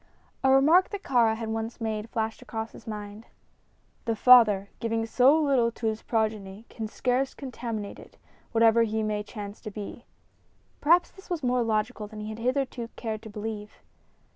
A remark that Kāra had once made flashed across his mind: "The father, giving so little to his progeny, can scarce contaminate it, whatever he may chance to be." Perhaps this was more logical than he had hitherto cared to believe.